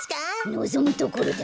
のぞむところだ。